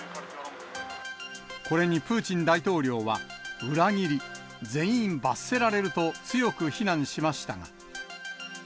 これにプーチン大統領は裏切り、全員罰せられると強く非難しましたが。